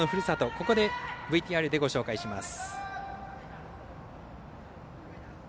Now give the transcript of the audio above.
ここで、ＶＴＲでご紹介します。